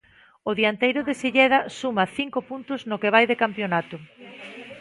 O dianteiro de Silleda suma cinco puntos no que vai de campionato.